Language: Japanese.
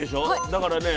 だからね